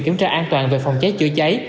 kiểm tra an toàn về phòng cháy chữa cháy